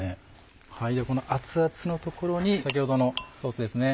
では熱々のところに先ほどのソースですね。